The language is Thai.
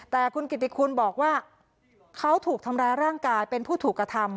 แต่คุณกิติคุณบอกว่าเขาถูกทำร้ายร่างกายเป็นผู้ถูกกระทำ